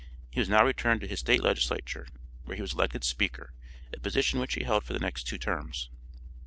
He was now returned to his State legislature where he was elected speaker, a position which he held for the next two terms.